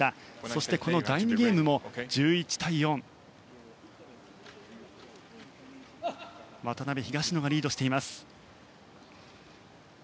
そして第２ゲームも１１対４と渡辺、東野がリードしています。